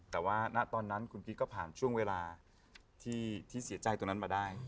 แต่ว่าณตอนนั้นคุณพีชก็ผ่านช่วงเวลาที่เสียใจตรงนั้นมาได้